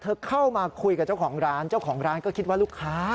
เข้ามาคุยกับเจ้าของร้านเจ้าของร้านก็คิดว่าลูกค้า